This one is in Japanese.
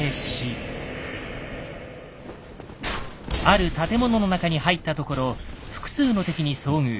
ある建物の中に入ったところ複数の敵に遭遇。